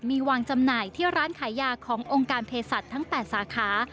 มีวางจำหน่ายที่ร้านขายยาขององค์การเพศสัตว์ทั้ง๘สาขา